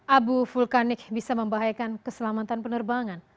abu vulkanik bisa membahayakan keselamatan penerbangan